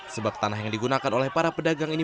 sebab tanah yang digunakan oleh para pedagang ini